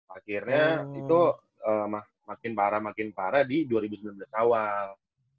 akhirnya itu makin parah makin parah di dua ribu sembilan belas awal